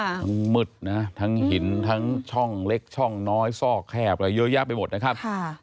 ทั้งมืดนะทั้งหินทั้งช่องเล็กช่องน้อยซอกแคบอะไรเยอะแยะไปหมดนะครับ